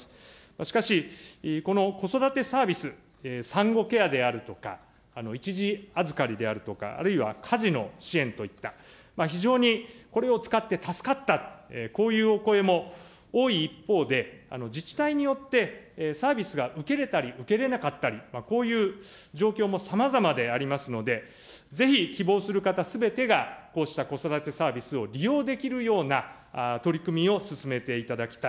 しかし、この子育てサービス、産後ケアであるとか、一時預かりであるとか、あるいは家事の支援といった、非常にこれを使って助かった、こういうお声も多い一方で、自治体によってサービスが受けれたり受けれなかったり、こういう状況もさまざまでありますので、ぜひ、希望する方すべてが、こうした子育てサービスを利用できるような取り組みを進めていただきたい。